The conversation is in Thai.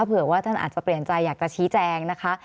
เผื่อว่าท่านอาจจะเปลี่ยนใจอยากจะชี้แจงนะคะ